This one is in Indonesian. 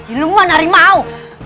si lemua narimau